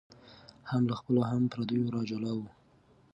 هم له خپلو هم پردیو را جلا وه